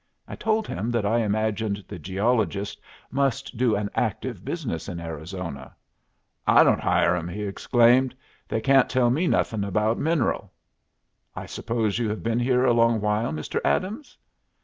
I told him that I imagined the geologist must do an active business in Arizona. "I don't hire 'em!" he exclaimed. "They can't tell me nothing about mineral." "I suppose you have been here a long while, Mr. Adams?"